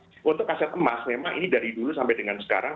nah untuk aset emas memang ini dari dulu sampai dengan sekarang